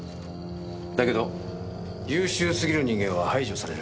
だけど優秀すぎる人間は排除される。